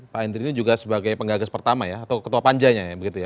pak hendry ini juga sebagai penggagas pertama ya atau ketua panjanya ya begitu ya